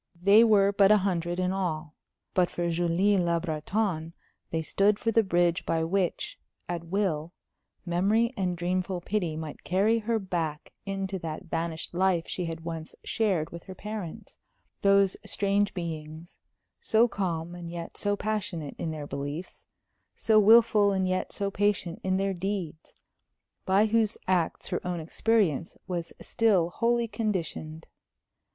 They were but a hundred in all; but for Julie Le Breton they stood for the bridge by which, at will, memory and dreamful pity might carry her back into that vanished life she had once shared with her parents those strange beings, so calm and yet so passionate in their beliefs, so wilful and yet so patient in their deeds, by whose acts her own experience was still wholly conditioned.